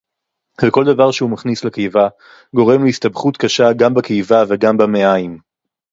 וכל דבר שהוא מכניס לקיבה גורם להסתבכות קשה גם בקיבה וגם במעיים